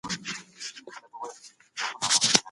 ذکر سوي اياتونه د ميرمنو پر نفقه باندي واضح دلايل دي.